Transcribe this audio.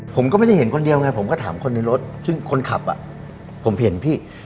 ผมก็ไม่ได้เห็นคนเดียวไงผมก็ถามคนในรถซึ่งคนขับอ่ะผมเห็นพี่